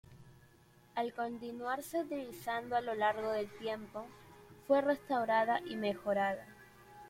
Al continuarse utilizando a lo largo del tiempo, fue restaurada y mejorada.